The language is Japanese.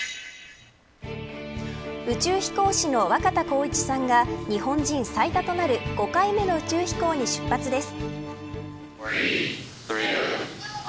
宇宙飛行士の若田光一さんが日本人最多となる５回目の宇宙飛行に出発です。